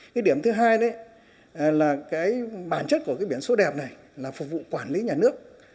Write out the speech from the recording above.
cái điểm thứ hai đấy là cái bản chất của cái biển số đẹp này là phục vụ quản lý nhà nước